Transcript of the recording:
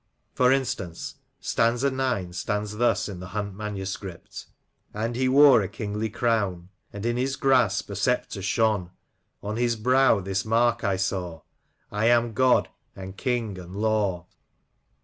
For instance, stanza ix. stands thus in the Hunt manuscript: —*' And he wore a kingly crown ; And in his grasp a sceptre shone ; On his brow this mark I saw — *I AM God, and King, and Law.